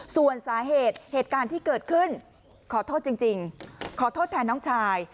ส่วนสาเหตุเหตุการณ์ที่เกิดขึ้นขอโทษจริงขอโทษแทนน้องชาย